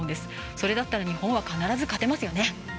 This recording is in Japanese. それだと日本は必ず勝てますよね。